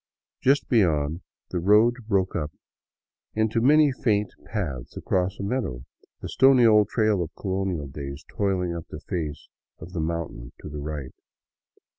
Just beyond, the road broke up into many faint paths across a meadow, the stony old trail of colonial days toiling up the face of the mountain to the right.